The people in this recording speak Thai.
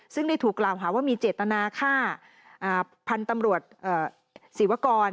ซึ่งได้ถูกกล่าวหาว่ามีเจตนาฆ่าพันธุ์ตำรวจศิวกร